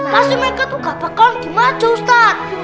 pasti mereka tuh gak bakalan dimacu ustadz